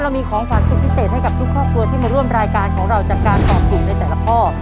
มีของขวัญสุดพิเศษให้กับทุกครอบครัวที่มาร่วมรายการของเราจากการตอบถูกในแต่ละข้อ